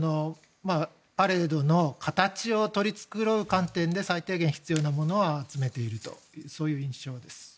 パレードの形を取り繕う観点で最低限、必要なものを集めているという印象です。